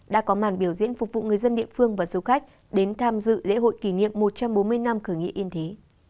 đã có màn biểu diễn phục vụ người dân địa phương và du khách đến tham dự lễ hội kỷ niệm một trăm bốn mươi năm khởi nghĩa yên thế